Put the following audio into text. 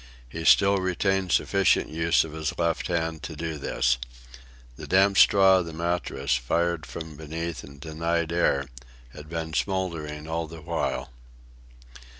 He still retained sufficient use of his left arm to do this. The damp straw of the mattress, fired from beneath and denied air, had been smouldering all the while.